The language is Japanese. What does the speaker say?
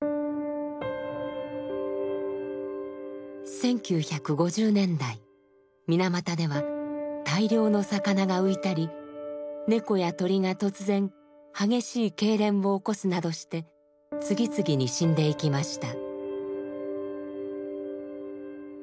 １９５０年代水俣では大量の魚が浮いたり猫や鳥が突然激しいけいれんを起こすなどして次々に死んでいきました。